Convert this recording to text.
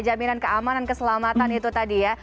jaminan keamanan keselamatan itu tadi ya